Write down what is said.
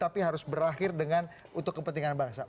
tapi harus berakhir dengan untuk kepentingan bangsa